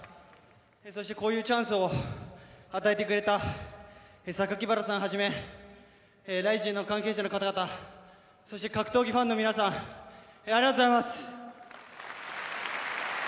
そして、こういうチャンスを与えてくれた榊原さんはじめＲＩＺＩＮの関係者の方々そして格闘技ファンの皆さんありがとうございます。